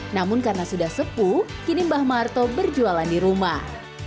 namun karena sudah sepuh kini mbah marto berjualan di rumah